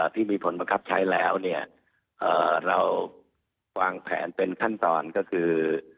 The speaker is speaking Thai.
ที่มีผลบังคับใช้แล้วเนี่ยเราวางแผนเป็นขั้นตอนก็คือ